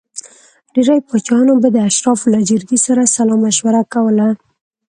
ډېری پاچاهانو به د اشرافو له جرګې سره سلا مشوره کوله.